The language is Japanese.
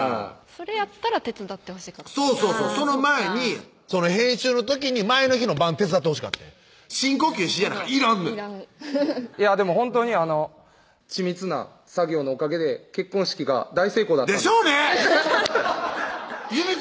それやったら手伝ってほしかったそうそうそうその前に編集の時に前の日の晩手伝ってほしかってん「深呼吸しぃや」なんかいらんねんでも本当に緻密な作業のおかげで結婚式が大成功だったんですでしょうね！